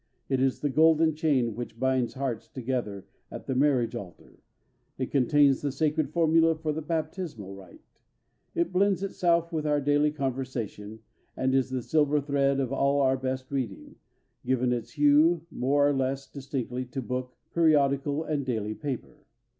It is the golden chain which binds hearts together at the marriage altar; it contains the sacred formula for the baptismal rite. It blends itself with our daily conversation, and is the silver thread of all our best reading, giving its hue, more or less distinctly, to book, periodical, and daily paper.